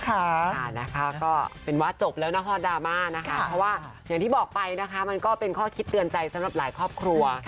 ค่ะนะคะก็เป็นว่าจบแล้วนะคะดราม่านะคะเพราะว่าอย่างที่บอกไปนะคะมันก็เป็นข้อคิดเตือนใจสำหรับหลายครอบครัว